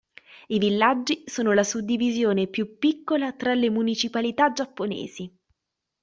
I villaggi sono la suddivisione più piccola tra le municipalità giapponesi.